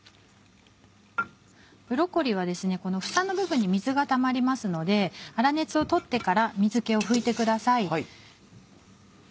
ブロッコリーはこの房の部分に水がたまりますので粗熱を取ってから水気を拭いてください。